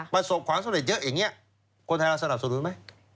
ประสบความสำเร็จเยอะอย่างนี้คนไทยเราสนับสนุนไหม